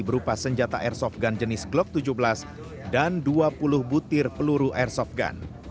berupa senjata air shotgun jenis glock tujuh belas dan dua puluh butir peluru air shotgun